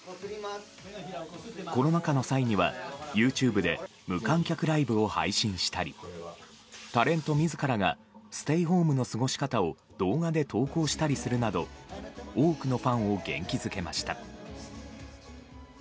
コロナ禍の際にはＹｏｕＴｕｂｅで無観客ライブを配信したりタレント自らがステイホームの過ごし方を動画で投稿したりするなど多くのファンを元気づけました。